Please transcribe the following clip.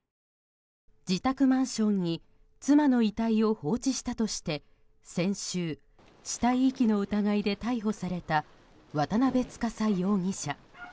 自宅マンションに妻の遺体を放置したとして先週死体遺棄の疑いで逮捕された渡邉司容疑者。